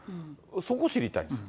そこ知りたいです。